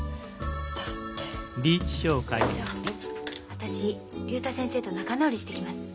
私竜太先生と仲直りしてきます。